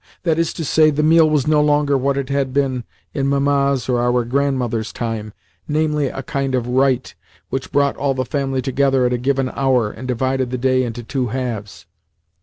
That is to say, the meal was no longer what it had been in Mamma's or our grandmother's time, namely, a kind of rite which brought all the family together at a given hour and divided the day into two halves.